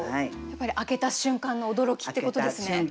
やっぱり開けた瞬間の驚きってことですね。